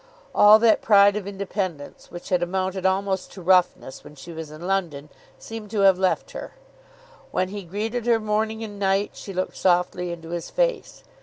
All that pride of independence, which had amounted almost to roughness, when she was in London, seemed to have left her. When he greeted her morning and night, she looked softly into his face.